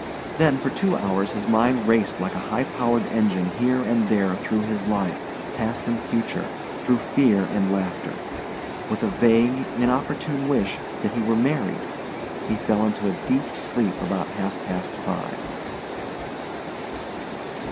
Then for two hours his mind raced like a high power engine here and there through his life, past and future, through fear and laughter. With a vague, inopportune wish that he were married, he fell into a deep sleep about half past five.